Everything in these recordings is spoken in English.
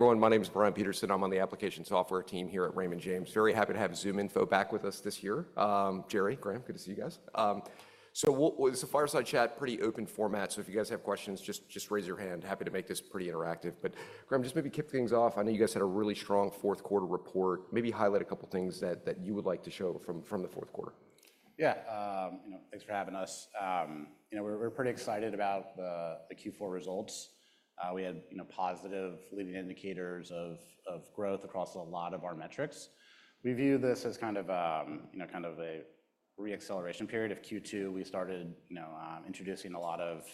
Everyone, my name is Brian Peterson. I'm on the application software team here at Raymond James. Very happy to have ZoomInfo back with us this year. Jerry, Graham, good to see you guys. So this is a fireside chat, pretty open format. So if you guys have questions, just raise your hand. Happy to make this pretty interactive. But Graham, just maybe kick things off. I know you guys had a really strong fourth quarter report. Maybe highlight a couple of things that you would like to show from the fourth quarter. Yeah, thanks for having us. We're pretty excited about the Q4 results. We had positive leading indicators of growth across a lot of our metrics. We view this as kind of a re-acceleration period. In Q2, we started introducing a lot of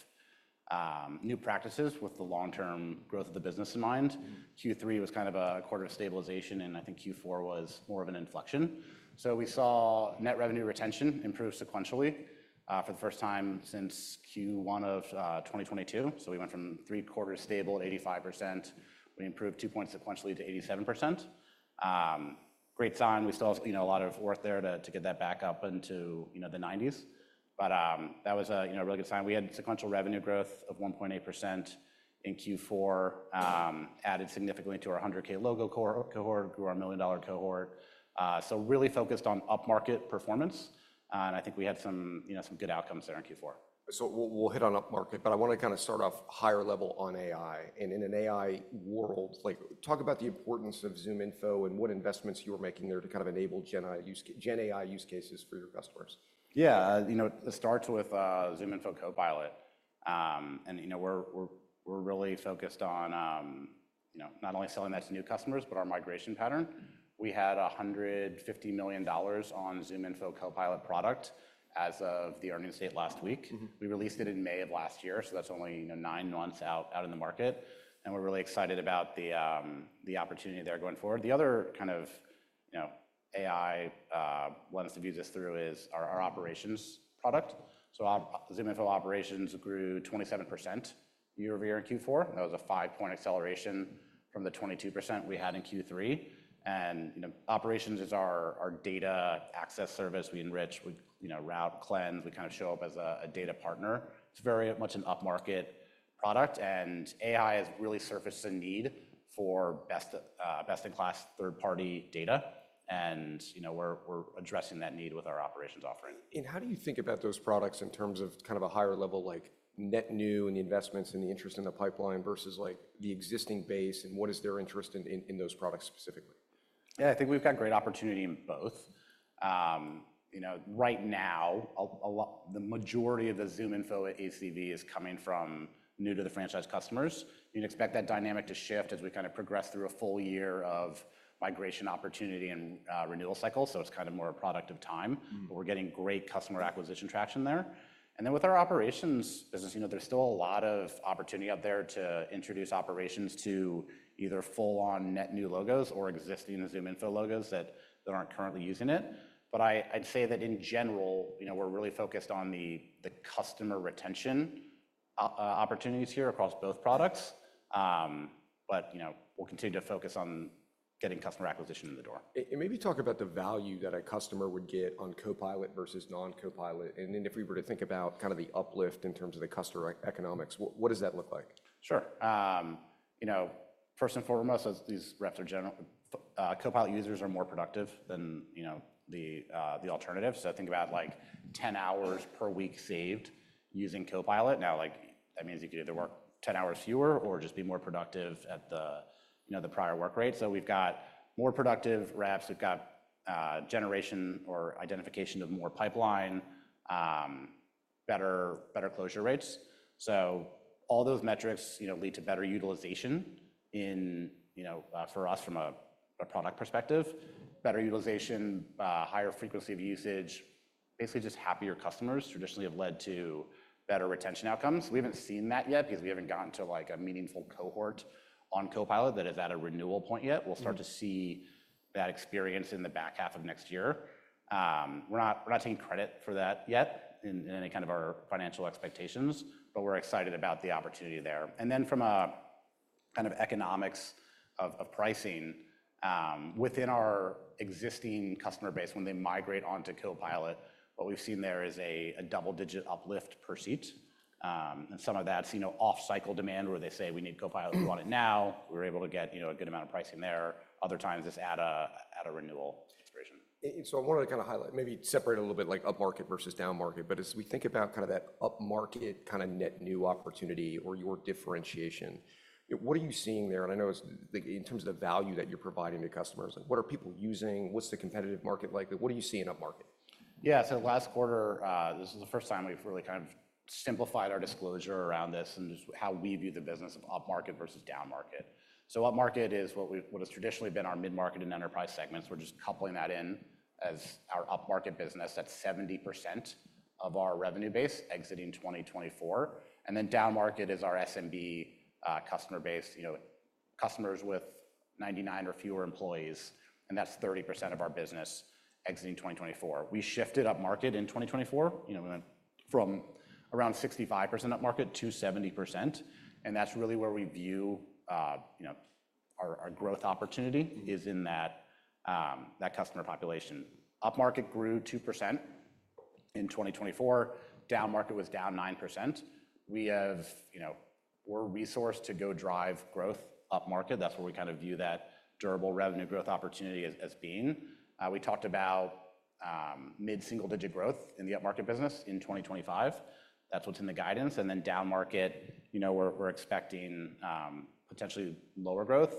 new practices with the long-term growth of the business in mind. Q3 was kind of a quarter of stabilization, and I think Q4 was more of an inflection. So we saw net revenue retention improve sequentially for the first time since Q1 of 2022. So we went from three quarters stable at 85%. We improved two points sequentially to 87%. Great sign. We still have a lot of work there to get that back up into the 90s. But that was a really good sign. We had sequential revenue growth of 1.8% in Q4, added significantly to our 100K logo cohort, grew our million dollar cohort. So really focused on upmarket performance. And I think we had some good outcomes there in Q4. So we'll hit on upmarket, but I want to kind of start off higher level on AI. And in an AI world, talk about the importance of ZoomInfo and what investments you were making there to kind of enable GenAI use cases for your customers. Yeah, it starts with ZoomInfo Copilot. And we're really focused on not only selling that to new customers, but our migration pattern. We had $150 million on ZoomInfo Copilot product as of the earnings date last week. We released it in May of last year, so that's only nine months out in the market. And we're really excited about the opportunity there going forward. The other kind of AI lens to view this through is our Operations product. So ZoomInfo Operations grew 27% year over year in Q4. That was a five-point acceleration from the 22% we had in Q3. And Operations is our data access service we enrich, route, cleanse. We kind of show up as a data partner. It's very much an upmarket product. And AI has really surfaced a need for best-in-class third-party data. And we're addressing that need with our Operations offering. And how do you think about those products in terms of kind of a higher level, like net new and the investments and the interest in the pipeline versus the existing base? And what is their interest in those products specifically? Yeah, I think we've got great opportunity in both. Right now, the majority of the ZoomInfo's ACV is coming from new-to-the-franchise customers. You'd expect that dynamic to shift as we kind of progress through a full year of migration opportunity and renewal cycle, so it's kind of more a product of time, but we're getting great customer acquisition traction there, and then with our operations business, there's still a lot of opportunity out there to introduce operations to either full-on net new logos or existing ZoomInfo logos that aren't currently using it, but I'd say that in general, we're really focused on the customer retention opportunities here across both products, but we'll continue to focus on getting customer acquisition in the door. Maybe talk about the value that a customer would get on Copilot versus non-Copilot. Then if we were to think about kind of the uplift in terms of the customer economics, what does that look like? Sure. First and foremost, as these reps, Copilot users are more productive than the alternative. So think about 10 hours per week saved using Copilot. Now, that means you could either work 10 hours fewer or just be more productive at the prior work rate. So we've got more productive reps. We've got generation or identification of more pipeline, better closure rates. So all those metrics lead to better utilization for us from a product perspective. Better utilization, higher frequency of usage, basically just happier customers traditionally have led to better retention outcomes. We haven't seen that yet because we haven't gotten to a meaningful cohort on Copilot that is at a renewal point yet. We'll start to see that experience in the back half of next year. We're not taking credit for that yet in any kind of our financial expectations, but we're excited about the opportunity there. And then from a kind of economics of pricing, within our existing customer base, when they migrate onto Copilot, what we've seen there is a double-digit uplift per seat. And some of that's off-cycle demand where they say, "We need Copilot. We want it now." We were able to get a good amount of pricing there. Other times, it's at a renewal situation. And so I want to kind of highlight, maybe separate a little bit like upmarket versus downmarket. But as we think about kind of that upmarket kind of net new opportunity or your differentiation, what are you seeing there? And I know in terms of the value that you're providing to customers, what are people using? What's the competitive market like? What do you see in upmarket? Yeah, so last quarter, this is the first time we've really kind of simplified our disclosure around this and just how we view the business of upmarket versus downmarket. So upmarket is what has traditionally been our mid-market and enterprise segments. We're just coupling that in as our upmarket business at 70% of our revenue base exiting 2024. And then downmarket is our SMB customer base, customers with 99 or fewer employees. And that's 30% of our business exiting 2024. We shifted upmarket in 2024. We went from around 65% upmarket to 70%. And that's really where we view our growth opportunity is in that customer population. Upmarket grew 2% in 2024. Downmarket was down 9%. We have more resource to go drive growth upmarket. That's where we kind of view that durable revenue growth opportunity as being. We talked about mid-single-digit growth in the upmarket business in 2025. That's what's in the guidance. Then downmarket, we're expecting potentially lower growth.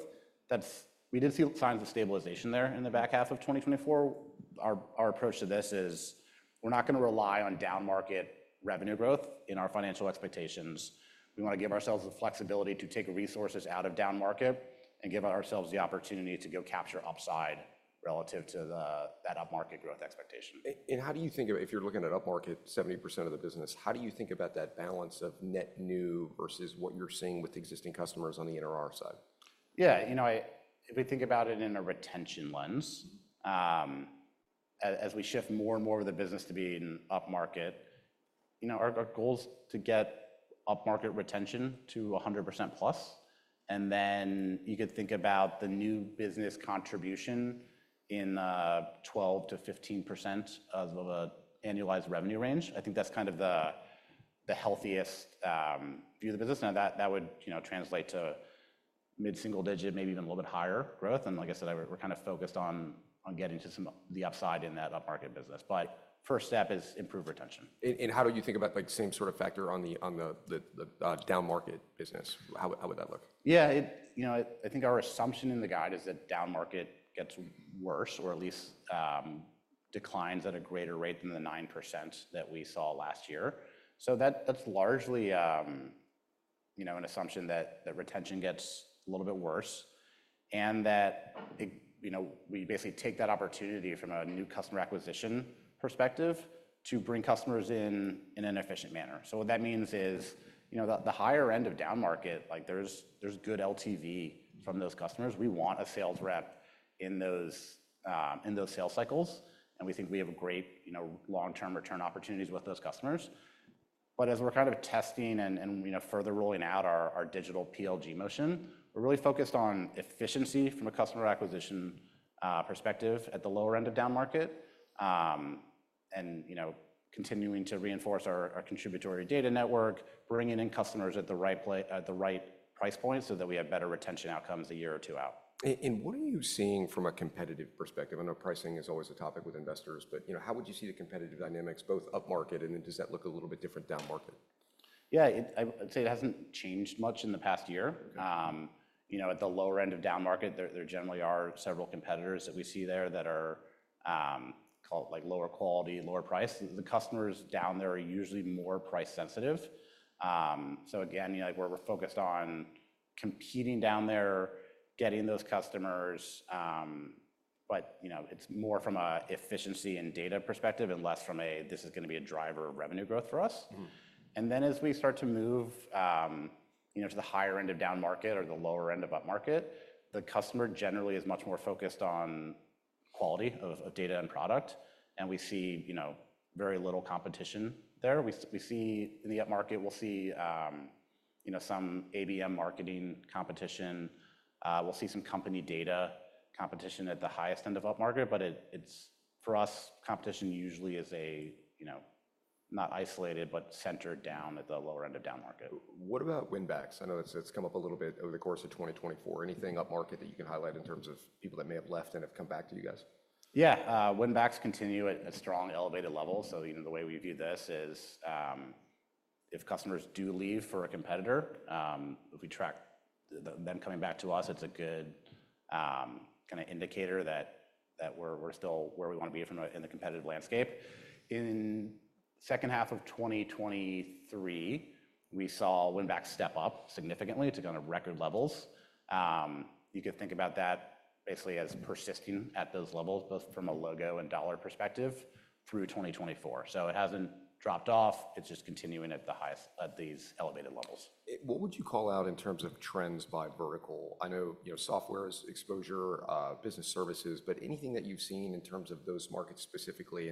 We did see signs of stabilization there in the back half of 2024. Our approach to this is we're not going to rely on downmarket revenue growth in our financial expectations. We want to give ourselves the flexibility to take resources out of downmarket and give ourselves the opportunity to go capture upside relative to that upmarket growth expectation. And how do you think of, if you're looking at upmarket 70% of the business, how do you think about that balance of net new versus what you're seeing with existing customers on the NRR side? Yeah, if we think about it in a retention lens, as we shift more and more of the business to be in upmarket, our goal is to get upmarket retention to 100% plus. And then you could think about the new business contribution in 12%-15% of annualized revenue range. I think that's kind of the healthiest view of the business. Now, that would translate to mid-single-digit, maybe even a little bit higher growth. And like I said, we're kind of focused on getting to some of the upside in that upmarket business. But first step is improve retention. How do you think about the same sort of factor on the downmarket business? How would that look? Yeah, I think our assumption in the guide is that downmarket gets worse or at least declines at a greater rate than the 9% that we saw last year. So that's largely an assumption that retention gets a little bit worse and that we basically take that opportunity from a new customer acquisition perspective to bring customers in an efficient manner. So what that means is the higher end of downmarket, there's good LTV from those customers. We want a sales rep in those sales cycles. And we think we have great long-term return opportunities with those customers. But as we're kind of testing and further rolling out our digital PLG motion, we're really focused on efficiency from a customer acquisition perspective at the lower end of downmarket and continuing to reinforce our Contributory Data Network, bringing in customers at the right price point so that we have better retention outcomes a year or two out. And what are you seeing from a competitive perspective? I know pricing is always a topic with investors, but how would you see the competitive dynamics both upmarket? And then does that look a little bit different downmarket? Yeah, I'd say it hasn't changed much in the past year. At the lower end of downmarket, there generally are several competitors that we see there that are lower quality, lower price. The customers down there are usually more price sensitive. So again, we're focused on competing down there, getting those customers. But it's more from an efficiency and data perspective and less from a, this is going to be a driver of revenue growth for us. And then as we start to move to the higher end of downmarket or the lower end of upmarket, the customer generally is much more focused on quality of data and product. And we see very little competition there. In the upmarket, we'll see some ABM marketing competition. We'll see some company data competition at the highest end of upmarket. But for us, competition usually is not isolated, but centered down at the lower end of downmarket. What about winbacks? I know it's come up a little bit over the course of 2024. Anything upmarket that you can highlight in terms of people that may have left and have come back to you guys? Yeah, Winbacks continue at a strong elevated level. So the way we view this is if customers do leave for a competitor, if we track them coming back to us, it's a good kind of indicator that we're still where we want to be in the competitive landscape. In the second half of 2023, we saw Winbacks step up significantly to kind of record levels. You could think about that basically as persisting at those levels, both from a logo and dollar perspective through 2024. So it hasn't dropped off. It's just continuing at these elevated levels. What would you call out in terms of trends by vertical? I know software is exposure, business services, but anything that you've seen in terms of those markets specifically?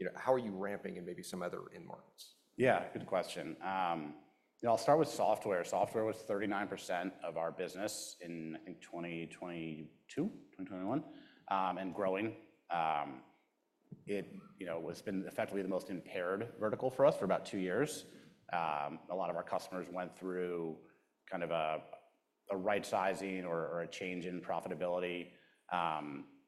And how are you ramping in maybe some other end markets? Yeah, good question. I'll start with software. Software was 39% of our business in 2022, 2021, and growing. It was effectively the most impaired vertical for us for about two years. A lot of our customers went through kind of a right-sizing or a change in profitability.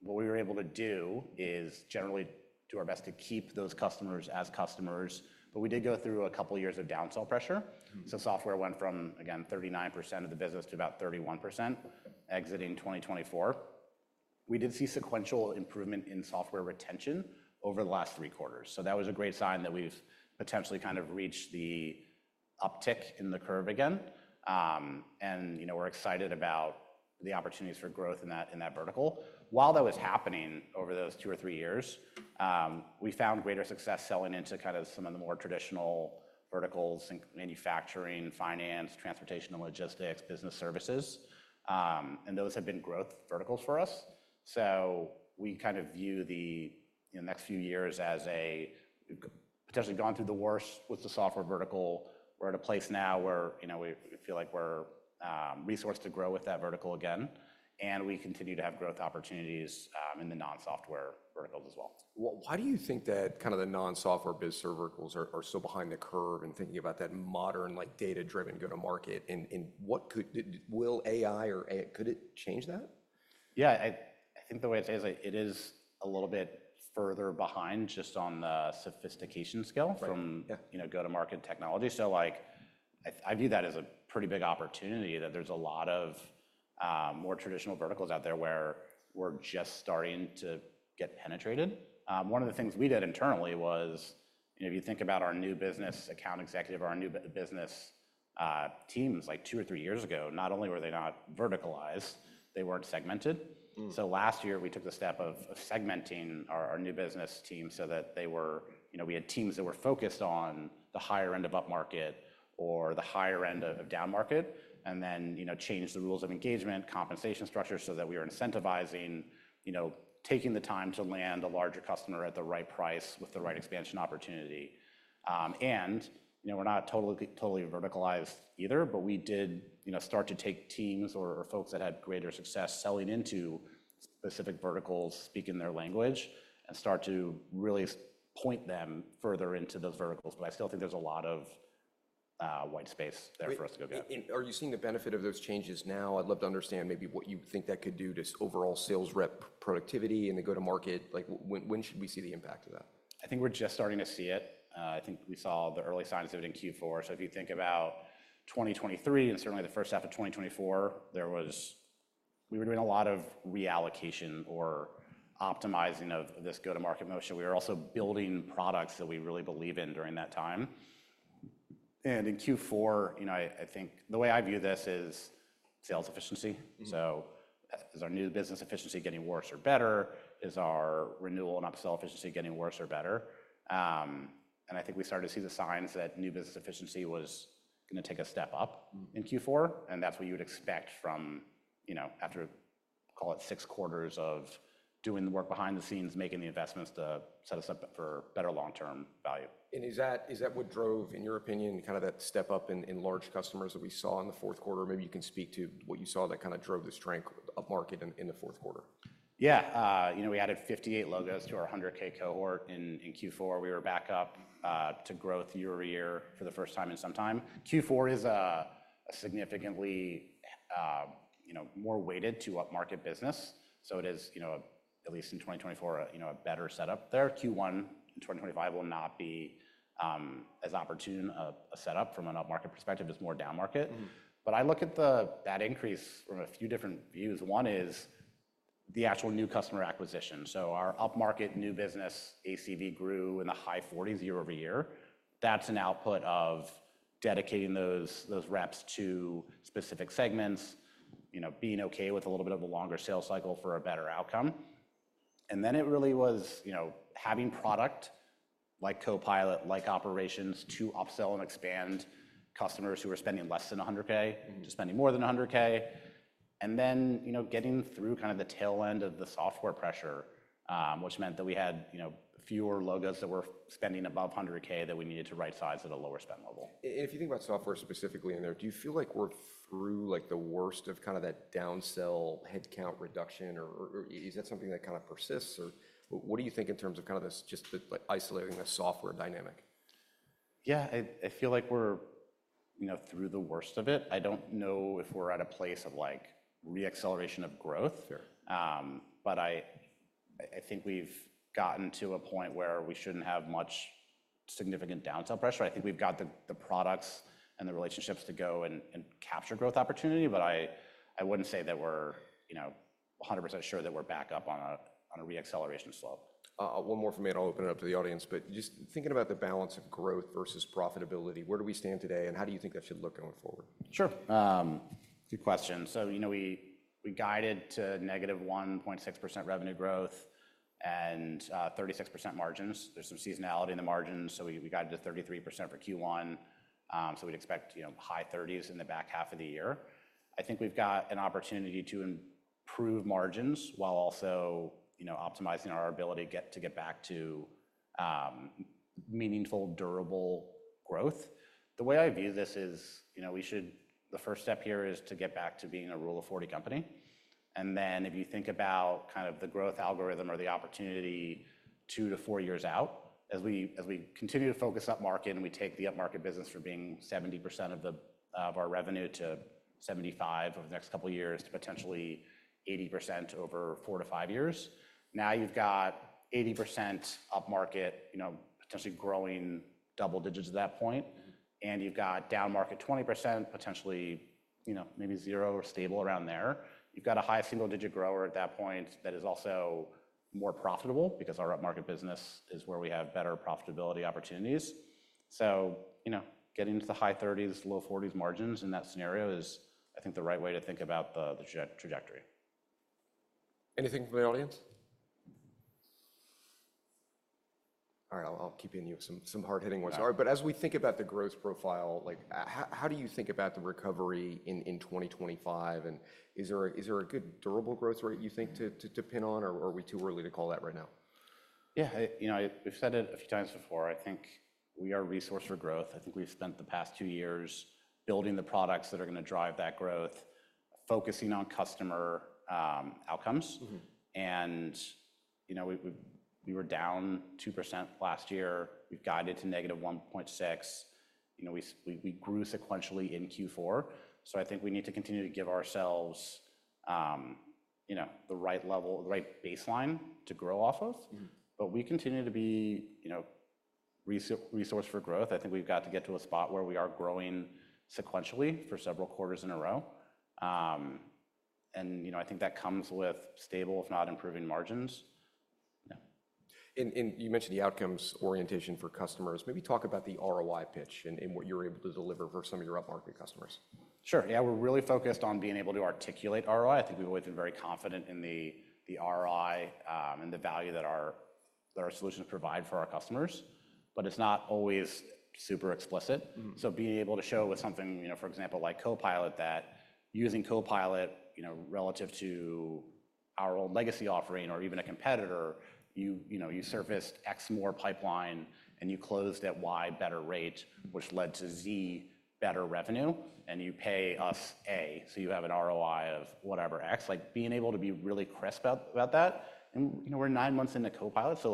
What we were able to do is generally do our best to keep those customers as customers. But we did go through a couple of years of downsell pressure. So software went from, again, 39% of the business to about 31% exiting 2024. We did see sequential improvement in software retention over the last three quarters. So that was a great sign that we've potentially kind of reached the uptick in the curve again. And we're excited about the opportunities for growth in that vertical. While that was happening over those two or three years, we found greater success selling into kind of some of the more traditional verticals: manufacturing, finance, transportation, and logistics, business services, and those have been growth verticals for us, so we kind of view the next few years as potentially gone through the worst with the software vertical. We're at a place now where we feel like we're resourced to grow with that vertical again, and we continue to have growth opportunities in the non-software verticals as well. Why do you think that kind of the non-software biz verticals are still behind the curve in thinking about that modern data-driven go-to-market? And will AI or could it change that? Yeah, I think the way it is, it is a little bit further behind just on the sophistication scale from go-to-market technology. So I view that as a pretty big opportunity that there's a lot of more traditional verticals out there where we're just starting to get penetrated. One of the things we did internally was if you think about our new business account executive or our new business teams, like two or three years ago, not only were they not verticalized, they weren't segmented. So last year, we took the step of segmenting our new business team so that we had teams that were focused on the higher end of upmarket or the higher end of downmarket and then changed the rules of engagement, compensation structure so that we were incentivizing, taking the time to land a larger customer at the right price with the right expansion opportunity. We're not totally verticalized either, but we did start to take teams or folks that had greater success selling into specific verticals, speaking their language, and start to really point them further into those verticals. I still think there's a lot of white space there for us to go get. Are you seeing the benefit of those changes now? I'd love to understand maybe what you think that could do to overall sales rep productivity and the go-to-market. When should we see the impact of that? I think we're just starting to see it. I think we saw the early signs of it in Q4. So if you think about 2023 and certainly the first half of 2024, we were doing a lot of reallocation or optimizing of this go-to-market motion. We were also building products that we really believe in during that time, and in Q4, I think the way I view this is sales efficiency, so is our new business efficiency getting worse or better? Is our renewal and upsell efficiency getting worse or better? And I think we started to see the signs that new business efficiency was going to take a step up in Q4, and that's what you would expect from after, call it, six quarters of doing the work behind the scenes, making the investments to set us up for better long-term value. Is that what drove, in your opinion, kind of that step up in large customers that we saw in the fourth quarter? Maybe you can speak to what you saw that kind of drove the strength of market in the fourth quarter. Yeah, we added 58 logos to our 100K cohort in Q4. We were back up to growth year over year for the first time in some time. Q4 is a significantly more weighted to upmarket business. So it is, at least in 2024, a better setup there. Q1 in 2025 will not be as opportune a setup from an upmarket perspective. It's more downmarket. But I look at that increase from a few different views. One is the actual new customer acquisition. So our upmarket new business ACV grew in the high 40s year over year. That's an output of dedicating those reps to specific segments, being okay with a little bit of a longer sales cycle for a better outcome. And then it really was having product like Copilot, like Operations to upsell and expand customers who were spending less than 100K to spending more than 100K. Then getting through kind of the tail end of the software pressure, which meant that we had fewer logos that were spending above 100K that we needed to right-size at a lower spend level. And if you think about software specifically in there, do you feel like we're through the worst of kind of that downsell headcount reduction? Or is that something that kind of persists? Or what do you think in terms of kind of just isolating the software dynamic? Yeah, I feel like we're through the worst of it. I don't know if we're at a place of reacceleration of growth. But I think we've gotten to a point where we shouldn't have much significant downsell pressure. I think we've got the products and the relationships to go and capture growth opportunity. But I wouldn't say that we're 100% sure that we're back up on a reacceleration slope. One more from me. I'll open it up to the audience. But just thinking about the balance of growth versus profitability, where do we stand today? And how do you think that should look going forward? Sure. Good question. So we guided to negative 1.6% revenue growth and 36% margins. There's some seasonality in the margins. So we guided to 33% for Q1. So we'd expect high 30s in the back half of the year. I think we've got an opportunity to improve margins while also optimizing our ability to get back to meaningful, durable growth. The way I view this is the first step here is to get back to being a Rule of 40 company. And then if you think about kind of the growth algorithm or the opportunity two to four years out, as we continue to focus upmarket and we take the upmarket business for being 70% of our revenue to 75% over the next couple of years to potentially 80% over four to five years, now you've got 80% upmarket, potentially growing double digits at that point. And you've got downmarket 20%, potentially maybe zero or stable around there. You've got a high single-digit grower at that point that is also more profitable because our upmarket business is where we have better profitability opportunities. So getting into the high 30s, low 40s margins in that scenario is, I think, the right way to think about the trajectory. Anything from the audience? All right, I'll keep you in some hard-hitting ones. But as we think about the growth profile, how do you think about the recovery in 2025? And is there a good durable growth rate you think to pin on? Or are we too early to call that right now? Yeah, we've said it a few times before. I think we are resourced for growth. I think we've spent the past two years building the products that are going to drive that growth, focusing on customer outcomes, and we were down 2% last year. We've guided to negative 1.6%. We grew sequentially in Q4, so I think we need to continue to give ourselves the right baseline to grow off of, but we continue to be resourced for growth. I think we've got to get to a spot where we are growing sequentially for several quarters in a row, and I think that comes with stable, if not improving, margins. And you mentioned the outcomes orientation for customers. Maybe talk about the ROI pitch and what you're able to deliver for some of your upmarket customers. Sure. Yeah, we're really focused on being able to articulate ROI. I think we've always been very confident in the ROI and the value that our solutions provide for our customers. But it's not always super explicit. So being able to show with something, for example, like Copilot, that using Copilot relative to our old legacy offering or even a competitor, you surfaced X more pipeline and you closed at Y better rate, which led to Z better revenue, and you pay us A, so you have an ROI of whatever X. Being able to be really crisp about that, and we're nine months into Copilot, so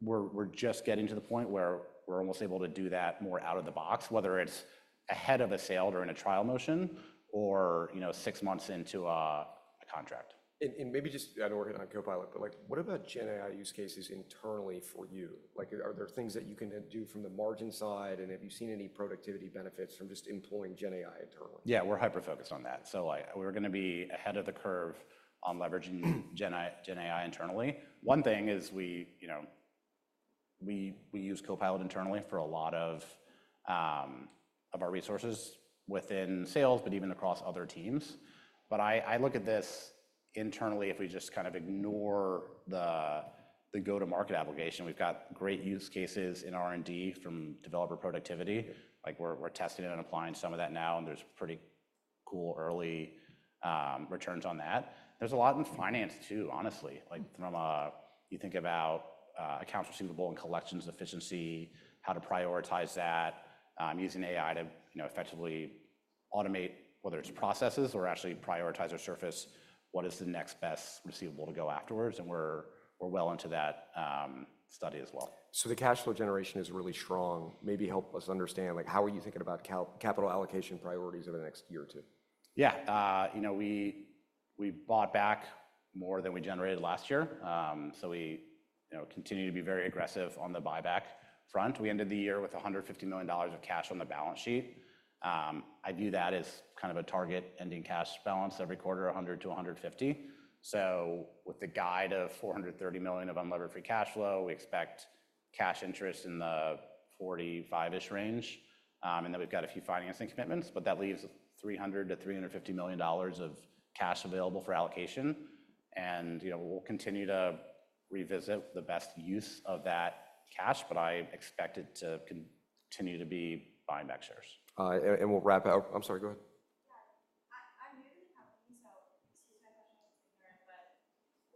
we're just getting to the point where we're almost able to do that more out of the box, whether it's ahead of a sale during a trial motion or six months into a contract. And maybe just I know we're working on Copilot, but what about GenAI use cases internally for you? Are there things that you can do from the margin side? And have you seen any productivity benefits from just employing GenAI internally? Yeah, we're hyper-focused on that. So we're going to be ahead of the curve on leveraging GenAI internally. One thing is we use Copilot internally for a lot of our resources within sales, but even across other teams. But I look at this internally, if we just kind of ignore the go-to-market application, we've got great use cases in R&D from developer productivity. We're testing and applying some of that now. And there's pretty cool early returns on that. There's a lot in finance too, honestly. You think about accounts receivable and collections efficiency, how to prioritize that, using AI to effectively automate, whether it's processes or actually prioritize or surface what is the next best receivable to go afterwards. And we're well into that study as well. So the cash flow generation is really strong. Maybe help us understand how are you thinking about capital allocation priorities over the next year or two. Yeah, we bought back more than we generated last year. So we continue to be very aggressive on the buyback front. We ended the year with $150 million of cash on the balance sheet. I view that as kind of a target ending cash balance every quarter, $100-$150 million. So with the guide of $430 million of unlevered free cash flow, we expect cash interest in the $45 million-ish range. And then we've got a few financing commitments. But that leaves $300-$350 million of cash available for allocation. And we'll continue to revisit the best use of that cash. But I expect it to continue to be buying back shares. And we'll wrap out. I'm sorry, go ahead. I'm new to the company, so excuse my question here. But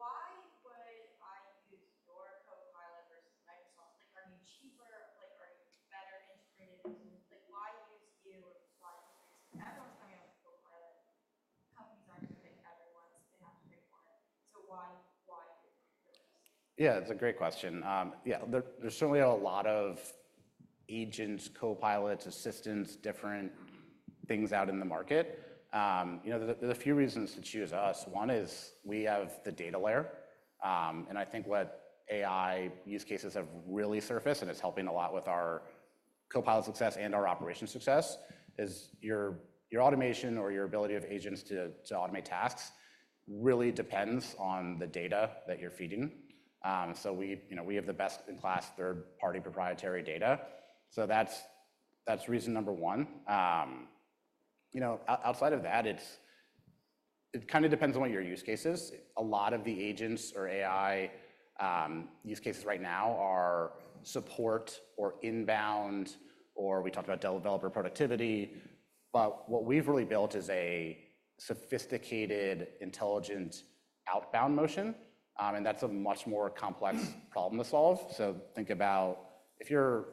why would I use your Copilot versus Microsoft? Are you cheaper? Are you better integrated? Why use you or why use Microsoft? Everyone's coming up with Copilot. Companies aren't coming up with everyone. So they have to pick one. So why you? Yeah, that's a great question. Yeah, there's certainly a lot of agents, Copilots, assistants, different things out in the market. There's a few reasons to choose us. One is we have the data layer. And I think what AI use cases have really surfaced and is helping a lot with our Copilot success and our Operations success is your automation or your ability of agents to automate tasks really depends on the data that you're feeding. So we have the best in class third-party proprietary data. So that's reason number one. Outside of that, it kind of depends on what your use case is. A lot of the agents or AI use cases right now are support or inbound, or we talked about developer productivity. But what we've really built is a sophisticated, intelligent outbound motion. And that's a much more complex problem to solve. So think about if you're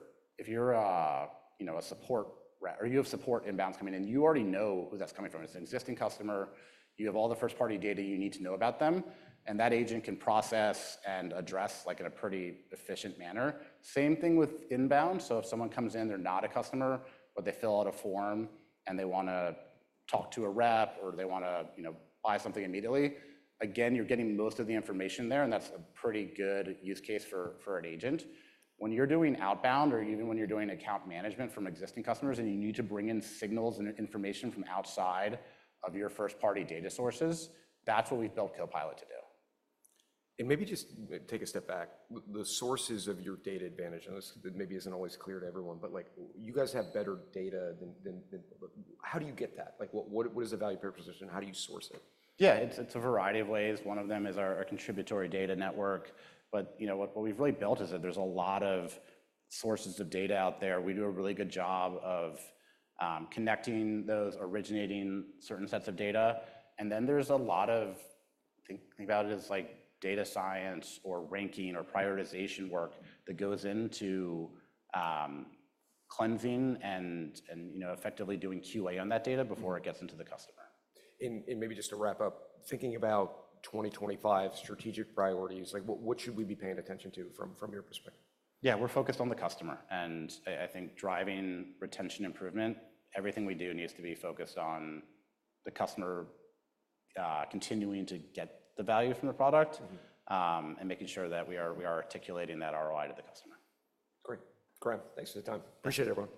a support rep or you have support inbounds coming in, you already know who that's coming from. It's an existing customer. You have all the first-party data you need to know about them. And that agent can process and address in a pretty efficient manner. Same thing with inbound. So if someone comes in, they're not a customer, but they fill out a form and they want to talk to a rep or they want to buy something immediately, again, you're getting most of the information there. And that's a pretty good use case for an agent. When you're doing outbound or even when you're doing account management from existing customers and you need to bring in signals and information from outside of your first-party data sources, that's what we've built Copilot to do. Maybe just take a step back. The sources of your data advantage, and this maybe isn't always clear to everyone, but you guys have better data. How do you get that? What is the value proposition? How do you source it? Yeah, it's a variety of ways. One of them is our contributory data network. But what we've really built is that there's a lot of sources of data out there. We do a really good job of connecting those originating certain sets of data. And then there's a lot of, think about it as data science or ranking or prioritization work that goes into cleansing and effectively doing QA on that data before it gets into the customer. Maybe just to wrap up, thinking about 2025 strategic priorities, what should we be paying attention to from your perspective? Yeah, we're focused on the customer. And I think driving retention improvement, everything we do needs to be focused on the customer continuing to get the value from the product and making sure that we are articulating that ROI to the customer. Great. Graham, thanks for the time. Appreciate it, everyone.